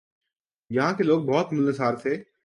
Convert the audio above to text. یہاں کے لوگ بہت ملنسار تھے ۔